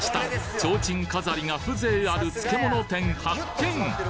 提灯飾りが風情ある漬物店発見！